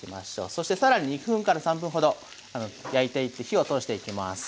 そして更に２３分ほど焼いていって火を通していきます。